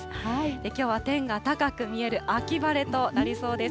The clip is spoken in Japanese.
きょうは天が高く見える秋晴れとなりそうです。